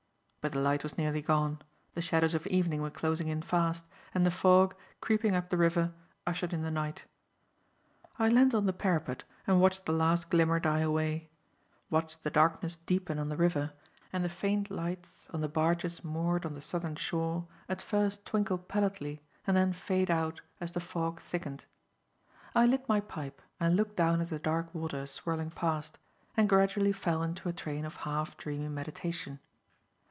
But the light was nearly gone, the shadows of evening were closing in fast, and the fog, creeping up the river, ushered in the night. I leaned on the parapet and watched the last glimmer die away; watched the darkness deepen on the river and the faint lights on the barges moored on the southern shore at first twinkle pallidly and then fade out as the fog thickened. I lit my pipe and looked down at the dark water swirling past, and gradually fell into a train of half dreamy meditation.